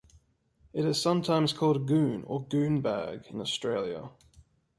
It is sometimes called goon or goon bag in Australia.